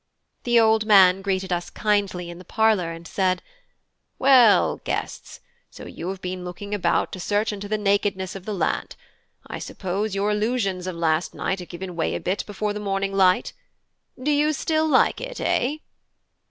The old man greeted us kindly in the parlour, and said: "Well, guests, so you have been looking about to search into the nakedness of the land: I suppose your illusions of last night have given way a bit before the morning light? Do you still like, it, eh?"